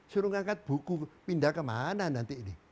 suruh ngangkat buku pindah ke mana nanti